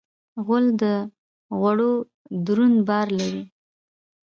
غول د غوړو دروند بار لري.